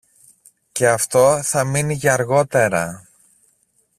Και αυτό θα μείνει για αργότερα.